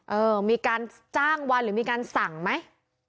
เออมีการจ้างวันหรือมีการสั่งไหม